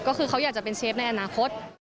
ก็คือเขาอยากจะเป็นเชฟในอนาคต